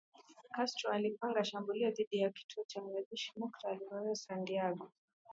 Castro alipanga shambulio dhidi ya kituo cha kijeshi cha Moncada akaribu na Santiago